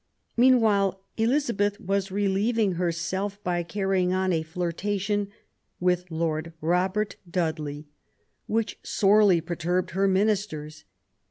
Meanwhile Elizabeth was relieving herself by carry ing on a flirtation with Lord Robert Dudley, which sorely perturbed her ministers.